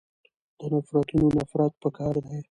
د نفرتونونه نفرت پکار دی.